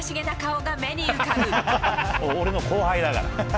俺の後輩だから。